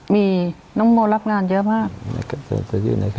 มีน้องโมรับงานเยอะมาก